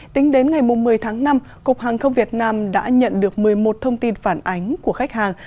tính đến ngày một mươi tháng năm cục hàng không việt nam đã nhận được một mươi một thông tin phản ánh của khách hàng